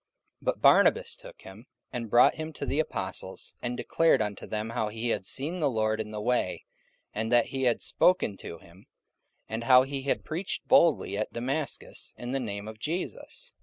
44:009:027 But Barnabas took him, and brought him to the apostles, and declared unto them how he had seen the Lord in the way, and that he had spoken to him, and how he had preached boldly at Damascus in the name of Jesus.